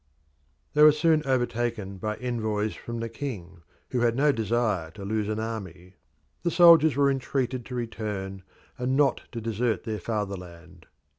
They were soon overtaken by envoys from the king, who had no desire to lose an army. The soldiers were entreated to return and not to desert their fatherland.